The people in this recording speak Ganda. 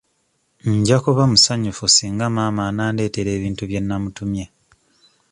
Nja kuba musanyufu singa maama anandeetera ebintu bye nnamutumye.